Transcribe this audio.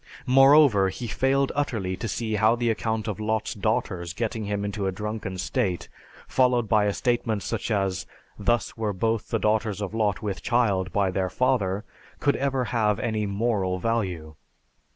Moreover, he failed utterly to see how the account of Lot's daughters getting him into a drunken state, followed by a statement such as, "Thus were both the daughters of Lot with child by their father," could ever have any moral value.